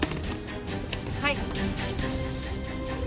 はい！